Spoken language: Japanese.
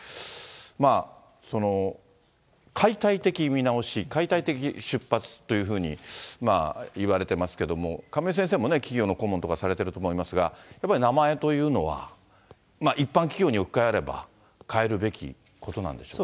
まあ、その解体的見直し、解体的出発というふうにいわれてますけども、亀井先生もね、企業の顧問とかされてると思いますが、やっぱり名前というのは、一般企業に置き換えれば変えるべきことなんでしょうか。